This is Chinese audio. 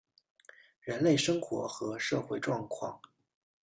人类生活和社会状况